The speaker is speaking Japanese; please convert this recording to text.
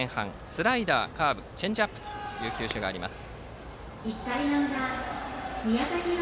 スライダー、カーブチェンジアップという球種があります。